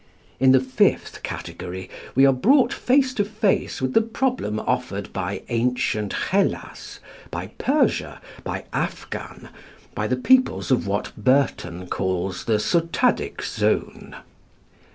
In the fifth category we are brought face to face with the problem offered by ancient Hellas, by Persia, by Afghan, by the peoples of what Burton calls the Sotadic Zone.